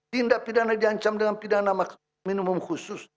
tindak pidana diancam dengan pidana makmum khusus